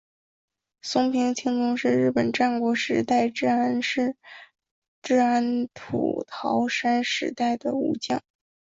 松平清宗是日本战国时代至安土桃山时代的武将。